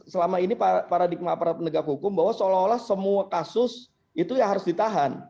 selama ini paradigma para penegak hukum bahwa seolah olah semua kasus itu ya harus ditahan